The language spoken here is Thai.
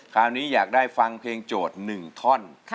คราวนี้อยากได้ฟังเพลงโจทย์๑ทอน